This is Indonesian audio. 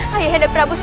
kukikan p contrad lucu